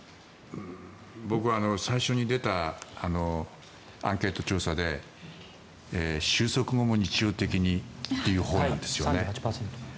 僕は最初に出たアンケート調査で収束後も日常的にというほうなんですよね。